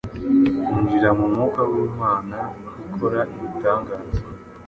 Injira mu mwuka w’Imana ikora ibitangaza.